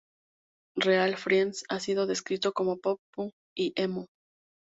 Real Friends ha sido descrito como pop punk y emo.